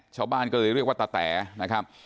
ชาวบ้านก็เลยเรียกว่าตาแตนะครับ